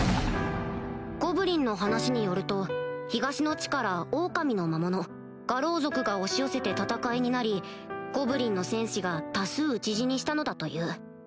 ゴブリンの話によると東の地からオオカミの魔物牙狼族が押し寄せて戦いになりゴブリンの戦士が多数討ち死にしたのだという